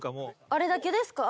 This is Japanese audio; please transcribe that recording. あれだけですか？